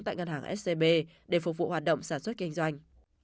tại ngân hàng scb để phục vụ hoạt động sản xuất kinh doanh